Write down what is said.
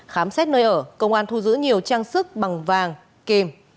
khám xét nơi ở công an thu giữ nhiều trang sức bằng vàng kìm